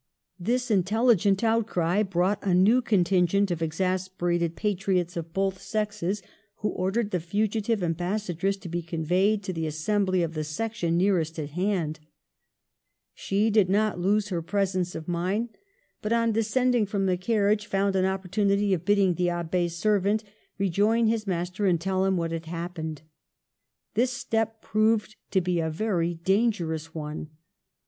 This in telligent outcry brought a new contingent of exasperated patriots of both sexes, who ordered the fugitive Ambassadress to be conveyed to the Assembly of the Section nearest at hand. She did not lose her presence of mind, but on descending from the carriage found an opportu Digitized by VjOOQLC IS COURAGEOUS FOR HER FRIENDS. 6$ nity of bidding the AbWs servant rejoin his mas ter and tell him of what had happened. This step proved to be a very dangerous one.